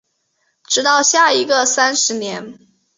直到下一个三十年